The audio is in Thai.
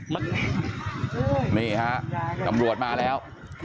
มันนี่ฮะตำรวจมาแล้ว